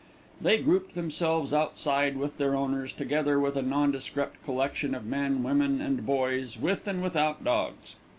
They grouped themselves outside with their owners, together with a nondescript collection of men, women, and boys, with and without dogs.